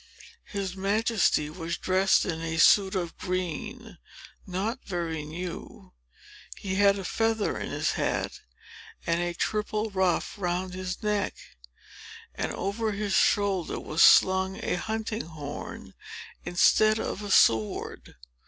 His Majesty was dressed in a suit of green, not very new; he had a feather in his hat, and a triple ruff round his neck; and over his shoulder was slung a hunting horn, instead of a sword.